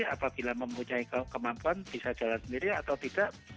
apabila mempunyai kemampuan bisa jalan sendiri atau tidak